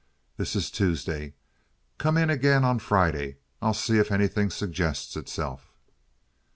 This is Tuesday. Come in again on Friday. I'll see if anything suggests itself."